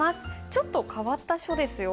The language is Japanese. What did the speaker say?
ちょっと変わった書ですよ。